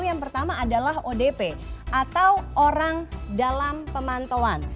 yang pertama adalah odp atau orang dalam pemantauan